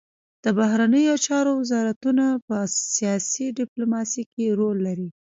د بهرنیو چارو وزارتونه په سیاسي ډیپلوماسي کې رول لري